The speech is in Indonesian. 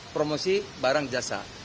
promosi barang jasa